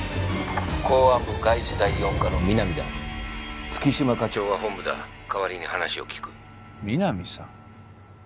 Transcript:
公安部外事第四課の南だ月島課長は本部だ代わりに話を聞く南さん？